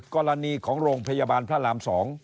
กรณีของโรงพยาบาลพระราม๒